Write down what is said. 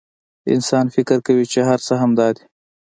انسان فکر کوي چې هر څه همدا دي.